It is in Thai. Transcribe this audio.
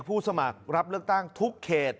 ผู้สมัครรับเลือกตั้งทุกเขต